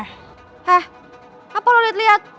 hah apa lo liat liat